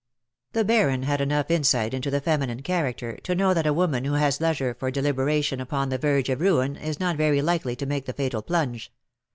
The Baron had enough insight into the feminine character to know that a woman who has leisure for deliberation upon the verge of ruin is not very likely to make the fatal plunge.